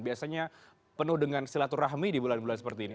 biasanya penuh dengan silaturahmi di bulan bulan seperti ini